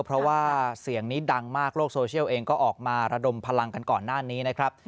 เพราะว่าเสียงนี้ดังมากโลกโซเชียลเองก็ออกมาระดมพลังกันก่อนหน้านี้นะครับ